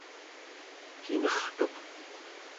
kinertuq